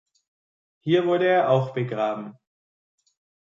Hier wurde er auch begraben.